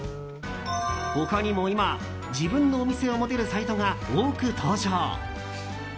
他にも今自分のお店を持てるサイトが多く登場。